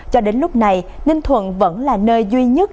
cho đến lúc này ninh thuận vẫn là nơi duy nhất